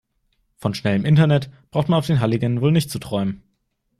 Von schnellem Internet braucht man auf den Halligen wohl nicht zu träumen.